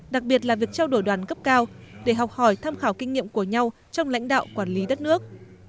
đặc biệt là việc trao đổi đoàn cấp cao để học hỏi tham khảo kinh nghiệm của nhau trong lãnh đạo quản lý đất nước